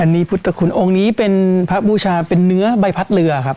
อันนี้พุทธคุณองค์นี้เป็นพระบูชาเป็นเนื้อใบพัดเรือครับ